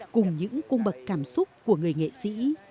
cùng những cung bậc cảm xúc của người nghệ sĩ